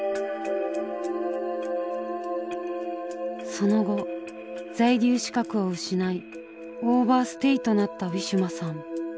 その後在留資格を失いオーバーステイとなったウィシュマさん。